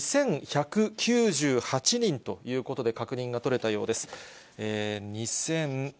２１９８人ということで確認が取れたようです。